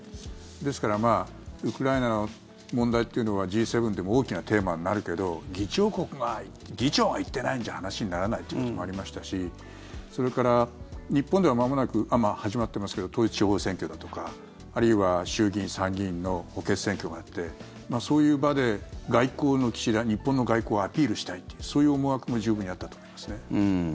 ですからウクライナの問題というのはＧ７でも大きなテーマになるけど議長国が議長が行ってないんじゃ話にならないということもありましたしそれから、日本ではまもなく始まっていますけど統一地方選挙だとかあるいは衆議院、参議院の補欠選挙があってそういう場で外交の岸田、日本の外交をアピールしたいというそういう思惑も十分にあったと思いますね。